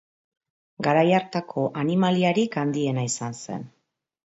Garai hartako animaliarik handiena izan zen.